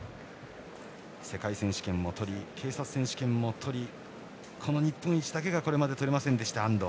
世界選手権もとり警察選手権もとりこの日本一だけがとれなかった安藤。